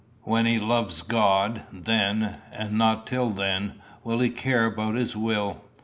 When he loves God, then, and not till then, will he care about his will.